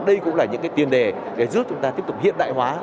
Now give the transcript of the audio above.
đây cũng là những tiền đề để giúp chúng ta tiếp tục hiện đại hóa